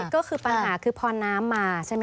ก็คือปัญหาคือพอน้ำมา